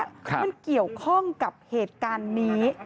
มันเกี่ยวข้องกับเหตุการณ์นี้